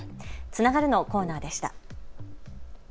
つながるのコーナーでした。